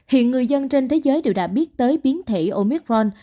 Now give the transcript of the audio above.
hiện người dân trên thế giới đều đã biết tới biến thể omicron